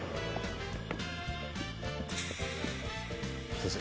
先生